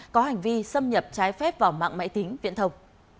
có hành vi xâm nhập trái phép vào mạng máy tính viễn thông